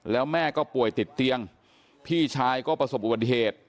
แล้วแม่ก็ป่วยติดเตียงพี่ชายก็ประสบอุบัติเหตุ